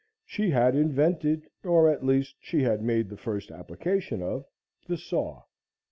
She had invented, or at least, she had made the first application of the saw.